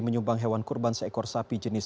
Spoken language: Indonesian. menyumbang hewan kurban seekor sapi jenis